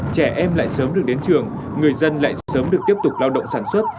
trẻ em lại sớm được đến trường người dân lại sớm được tiếp tục lao động sản xuất